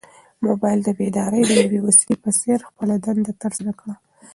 موبایل د بیدارۍ د یوې وسیلې په څېر خپله دنده ترسره کړه.